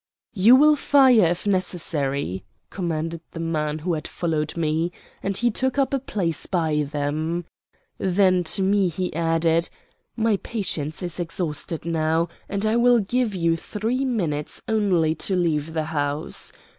"You will fire, if necessary," commanded the man who had followed me, and he took up a place by them. Then to me he added: "My patience is exhausted now, and I will give you three minutes only to leave the house.